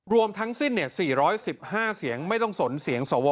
รวมทั้งสิ้น๔๑๕เสียงไม่ต้องสนเสียงสว